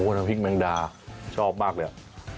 โหน้ำพริกแมงดานชอบมากเนี่ย